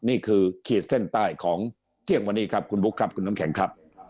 ขีดเส้นใต้ของเที่ยงวันนี้ครับคุณบุ๊คครับคุณน้ำแข็งครับ